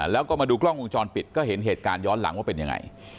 แล้วก็มาดูกล้องวงจรปิดก็เห็นเหตุการณ์ย้อนหลังว่าเป็นยังไง